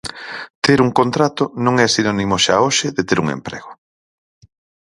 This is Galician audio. Ter un contrato non é sinónimo xa hoxe de ter un emprego.